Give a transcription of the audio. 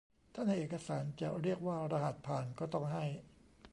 ถ้าในเอกสารจะเรียกว่า "รหัสผ่าน" ก็ต้องให้